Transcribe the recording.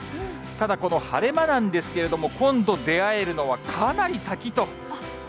ただこの晴れ間なんですけれども、今度出会えるのは、かなり先と。